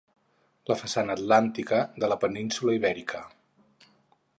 La façana atlàntica de la Península Ibèrica.